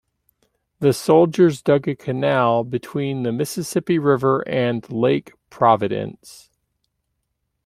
The soldiers dug a canal between the Mississippi River and Lake Providence.